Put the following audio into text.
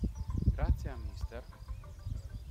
Grazie a Mr.